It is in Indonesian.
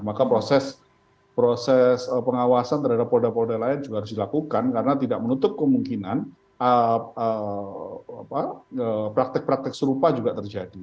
maka proses pengawasan terhadap polda polda lain juga harus dilakukan karena tidak menutup kemungkinan praktek praktek serupa juga terjadi